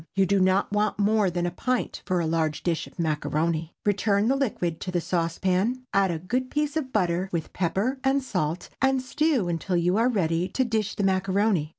You do not want more than a pint for a large dish of macaroni. Return the liquid to the saucepan, add a good piece of butter, with pepper and salt, and stew until you are ready to dish the macaroni.